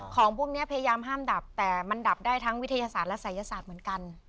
ของพวกนี้พยายามห้ามดับแต่มันดับได้ทั้งวิทยาศาสตร์และศัยศาสตร์เหมือนกัน